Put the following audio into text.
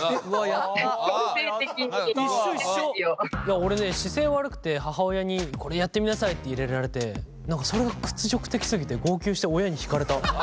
俺ね姿勢悪くて母親にこれやってみなさいって入れられてそれが屈辱的すぎて号泣して親に引かれた。